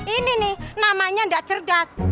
ini nih namanya tidak cerdas